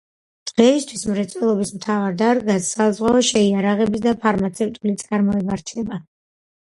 დღეისათვის მრეწველობის მთავარ დარგებად საზღვაო, შეიარაღების და ფარმაცევტული წარმოება რჩება.